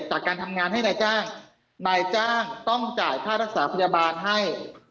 จากการทำงานให้นายจ้างนายจ้างต้องจ่ายค่ารักษาพยาบาลให้